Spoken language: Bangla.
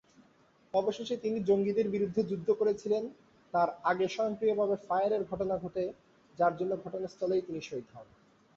অবশেষে, তিনি জঙ্গিদের বিরুদ্ধে যুদ্ধ করেছিলেন তার আগে স্বয়ংক্রিয়ভাবে ফায়ারের ঘটনা ঘটে যার জন্য ঘটনাস্থলেই তিনি শহীদ হন।